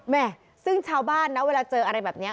แม่ซึ่งชาวบ้านนะเวลาเจออะไรแบบนี้